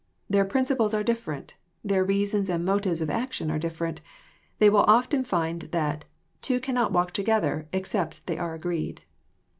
Their principles are different. Their reasons and motives of action are different. They will often find that two cannot walk together except they are agreed."